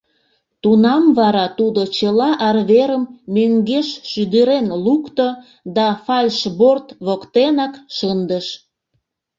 Тунам вара тудо чыла арверым мӧҥгеш шӱдырен лукто да фальшборт воктенак шындыш.